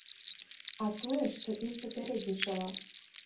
А тое, што ім папярэднічала.